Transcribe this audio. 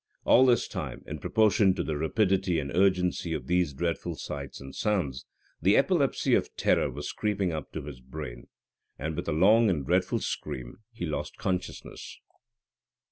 All this time, in proportion to the rapidity and urgency of these dreadful sights and sounds, the epilepsy of terror was creeping up to his brain, and with a long and dreadful scream he lost consciousness.